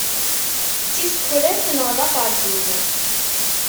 D tisukraf naɣ d aqerdun.